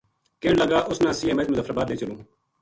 کہن لگا اس نا سی ایم ایچ مظفرآباد لے چلوں